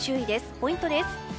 ポイントです。